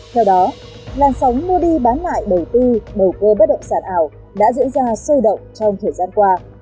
theo đó làn sóng mua đi bán lại đầu tư đầu cơ bất động sản ảo đã diễn ra sôi động trong thời gian qua